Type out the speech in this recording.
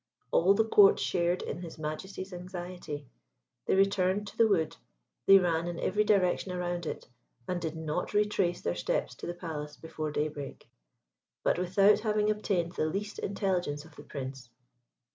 All the Court shared in his Majesty's anxiety. They returned to the wood, they ran in every direction around it, and did not retrace their steps to the Palace before daybreak, but without having obtained the least intelligence of the Prince.